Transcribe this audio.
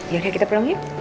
ya kita pulang yuk